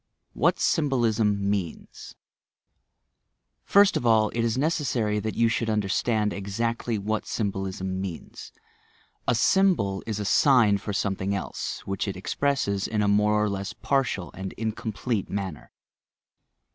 WHAT SYMBOLISM MEANS First of all, it is necessary that you should understand exactly what symbolism means. A "symbol" is a sign for something else which it expresses in a more or less partial and incomplete manner.